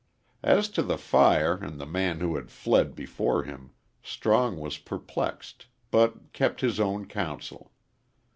As to the fire and the man who had fled before him, Strong was perplexed, but kept his own counsel.